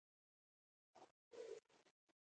اول مکروب په سلایډ تثبیت کیږي بیا رنګ علاوه کیږي.